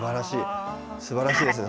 すばらしいですね。